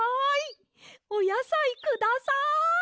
おやさいください！